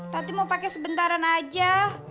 tadi mau pakai sebentar aja